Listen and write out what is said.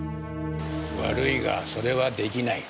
悪いがそれはできない。